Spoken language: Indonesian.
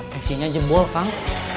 tensinya jebol kang